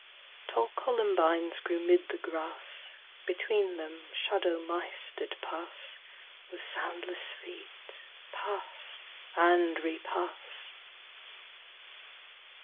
Tall columbines grew 'mid the grass, Between them shadow mice did pass, With soundless feet, pass and repass.